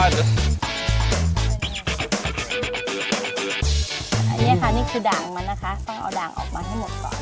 อันนี้ค่ะนี่คือด่างมันนะคะต้องเอาด่างออกมาให้หมดก่อน